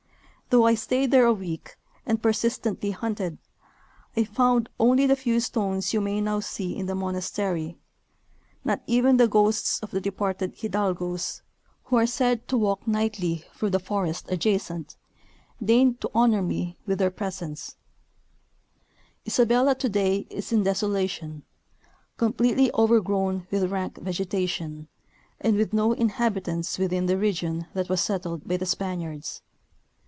Though I staid there a week, and persistently hunted, I found only the few stones you may now see in the monastery ; not even the ghosts of the departed hidalgos, who arCiSaid to walk 2(5— Nat. Geoq/Mag , voi„ V, 1803. 194 F. A. Ober—ln the Wake of Columbus. nightly throu2;h the forest adjacent, tleigned to honor me with their presence. Isabelki today is in desolation, completely over grown with rank vegetation, and with no inhabitants within the region that was settled by the Spaniards.